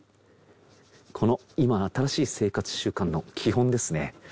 この今新しい生活習慣の基本ですね。